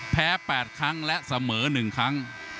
แพ้๘ครั้งและเสมอ๑ครั้ง